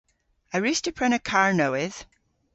A wruss'ta prena karr nowydh?